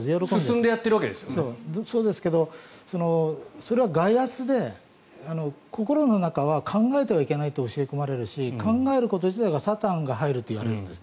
そうですけどそれはバイアスで、心の中は考えてはいけないと思い込まれるし考えること自体がサタンが入るという。